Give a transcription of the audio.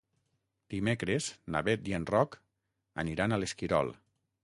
Dimecres na Bet i en Roc aniran a l'Esquirol.